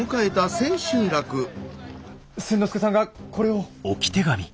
千之助さんがこれを。